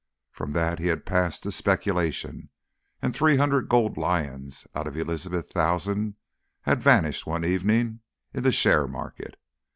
From that he had passed to speculation, and three hundred gold "lions" out of Elizabeth's thousand had vanished one evening in the share market.